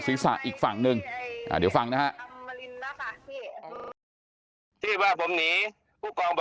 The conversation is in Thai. ศิษฐะอีกฝั่งนึงอ่ะเดี๋ยวฟังนะครับ